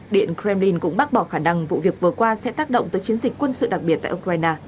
điện kremlin cũng bác bỏ khả năng vụ việc vừa qua sẽ tác động tới chiến dịch quân sự đặc biệt tại ukraine